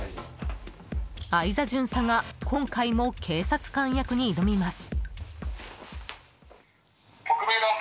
相座巡査が今回も警察官役に挑みます。